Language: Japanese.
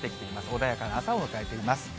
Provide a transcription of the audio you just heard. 穏やかな朝を迎えています。